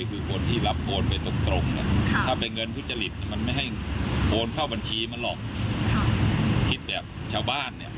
เรื่องนี้ดูแล้วโจ๊กจะถูกทันว่าจะสวยไหมครับ